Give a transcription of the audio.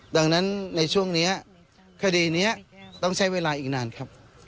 ดังนั้นในช่วงนี้คดีนี้ต้องใช้เวลาอีกนานครับ